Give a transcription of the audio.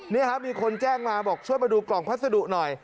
นี่ครับมีคนแจ้งมาบอกช่วยมาดูกล่องพัสดุหน่อย